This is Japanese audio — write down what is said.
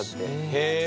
へえ。